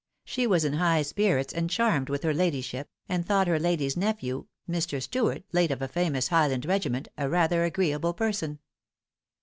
She was in high spirits, and charmed with her ladyship, and thought her ladyship's nephew, Mr. Stuart, late of a famous Highland regiment, a rather agreeable person.